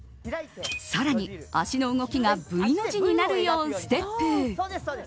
さらに足の動きがＶの字になるようステップ。